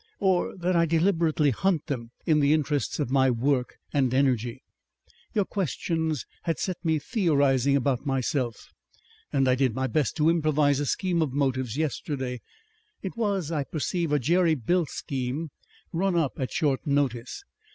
Or that I deliberately hunt them in the interests of my work and energy. Your questions had set me theorizing about myself. And I did my best to improvise a scheme of motives yesterday. It was, I perceive, a jerry built scheme, run up at short notice.